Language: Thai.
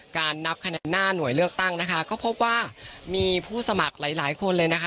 นับคะแนนหน้าหน่วยเลือกตั้งนะคะก็พบว่ามีผู้สมัครหลายหลายคนเลยนะคะ